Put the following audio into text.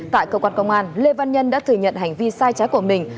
tại cơ quan công an lê văn nhân đã thừa nhận hành vi sai trái của mình